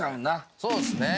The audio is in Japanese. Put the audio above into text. そうですね。